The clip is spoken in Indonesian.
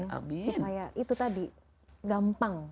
supaya itu tadi gampang